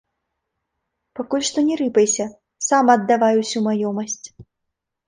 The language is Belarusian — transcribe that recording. Пакуль што не рыпайся, сам аддавай усю маёмасць.